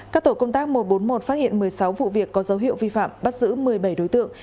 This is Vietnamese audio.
các tổ công tác một trăm bốn mươi một phát hiện một mươi sáu vụ việc có dấu hiệu vi phạm bắt giữ một mươi bảy đối tượng